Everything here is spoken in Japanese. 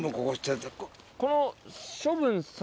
この。